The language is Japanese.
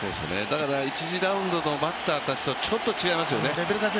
１次ラウンドのバッターたちとちょっと違いますよね。